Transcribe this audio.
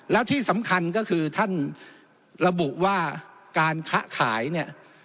แล้วที่สำคัญก็คือท่านระบุว่าการค้าขายเนี่ย